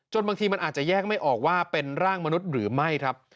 บางทีมันอาจจะแยกไม่ออกว่าเป็นร่างมนุษย์หรือไม่ครับ